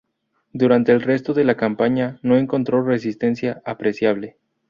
Durante el resto de la campaña no encontró resistencia apreciable.